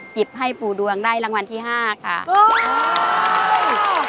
หยิบให้ปู่ดวงได้รางวัลที่๕ค่ะโอ้โฮ